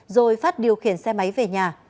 rồi phát điều khiển xe máy về nhà